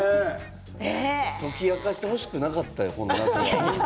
解き明かしてほしくなかったよ、この謎は。